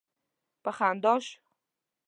په خندا شو.